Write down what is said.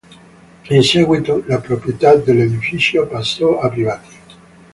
In seguito, la proprietà dell'edificio passò a privati.